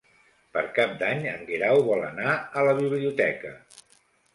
Per Cap d'Any en Guerau vol anar a la biblioteca.